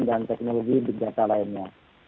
dan teknologi di jasa lainnya